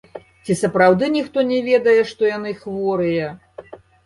Ці сапраўды ніхто не ведае, што яны хворыя?